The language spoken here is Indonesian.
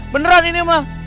beneran ini mah